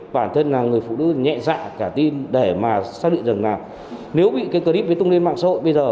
bản thân là người phụ nữ nhẹ dạ cả tin để mà xác định rằng là nếu bị cái clip với tung lên mạng xã hội bây giờ